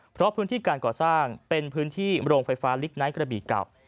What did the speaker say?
เพราะพื้นที่การก่อสร้างเป็นพื้นที่โรงไฟฟ้าลิกไนท์กระบี่เก่า